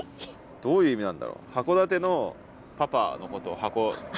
どういう意味なんだろう？